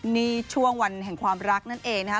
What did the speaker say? นี่ช่วงวันแห่งความรักนั่นเองนะคะ